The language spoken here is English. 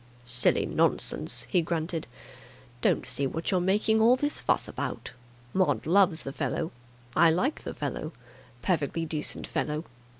"Silly nonsense!" he grunted. "Don't see what you're making all this fuss about. Maud loves the fellow. I like the fellow. Perfectly decent fellow.